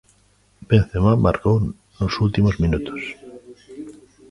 Benzemá marcou nos últimos minutos.